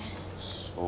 そう。